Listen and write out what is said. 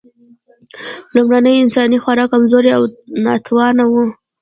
لومړني انسانان خورا کمزوري او ناتوانه وو.